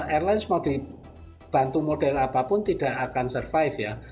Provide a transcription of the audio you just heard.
airlines mau dibantu model apapun tidak akan survive ya